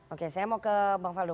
oke saya mau ke bang faldo